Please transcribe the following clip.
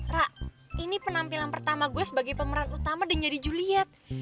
rak ini penampilan pertama gue sebagai pemeran utama dan nyari juliet